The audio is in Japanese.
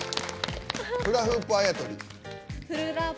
フラフープあやとり。